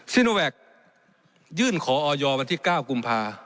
ซิโนแวคยื่นขอออยวันที่๙กุมภา